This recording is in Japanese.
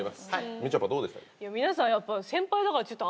みちょぱどうでしたか？